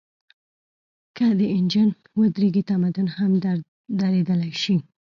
که دا انجن ودرېږي، تمدن هم درېدلی شي.